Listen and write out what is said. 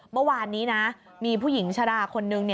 เมื่อวานนี้นะมีผู้หญิงชะลาคนนึง